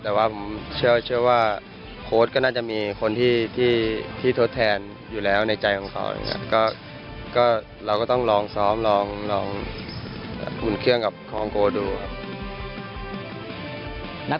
แต่เชื่อว่าโคชก็จะมีคนที่ทดแทนอยู่แล้วในใจของเค้า